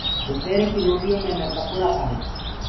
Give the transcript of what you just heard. دُپيري ڪي روٽيو مي مينٚ پِڪوڙآ کآرو تو۔